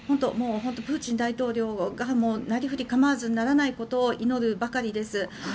本当にプーチン大統領がなりふり構わずならないことを祈るばかりです。